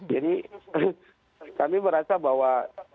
jadi kami merasa bahwa